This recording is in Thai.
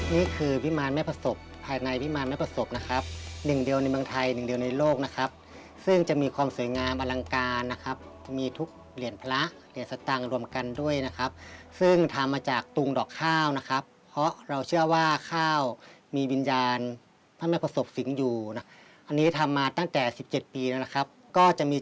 นี่คือวิมารแม่ประสบภายในวิมารไม่ประสบนะครับหนึ่งเดียวในเมืองไทยหนึ่งเดียวในโลกนะครับซึ่งจะมีความสวยงามอลังการนะครับมีทุกเหรียญพระเหรียญสตางค์รวมกันด้วยนะครับซึ่งทำมาจากตุงดอกข้าวนะครับเพราะเราเชื่อว่าข้าวมีวิญญาณพระแม่ประสบสิงห์อยู่นะอันนี้ทำมาตั้งแต่สิบเจ็ดปีแล้วนะครับก็จะมี